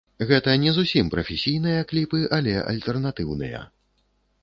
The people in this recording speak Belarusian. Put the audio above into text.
Гэта не зусім прафесійныя кліпы, але альтэрнатыўныя.